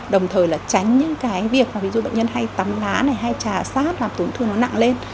đồng thời là tránh những cái việc mà ví dụ bệnh nhân hay tắm lá này hay trà sát làm tổn thương nó nặng lên